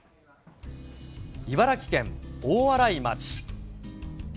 茨城県大洗町。